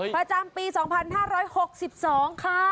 ประจำปี๒๕๖๒ค่ะ